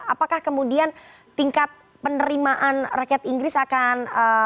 apakah kemudian tingkat penerimaan rakyat inggris akan